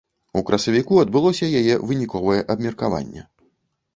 У красавіку адбылося яе выніковае абмеркаванне.